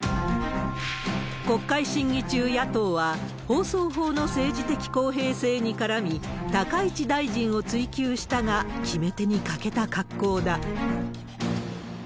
国会審議中、野党は放送法の政治的公平性に絡み、高市大臣を追及したが、決め手に欠けた格好だ。